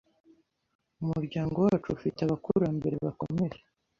Umuryango wacu ufite abakurambere bakomeye.